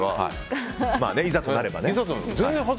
いざとなればね。